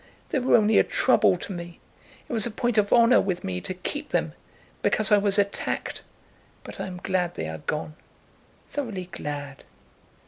They were only a trouble to me. It was a point of honour with me to keep them, because I was attacked. But I am glad they are gone, thoroughly glad."